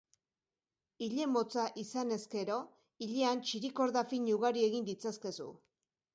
Ile motza izan ezkero, ilean txirikorda fin ugari egin ditzazkezu.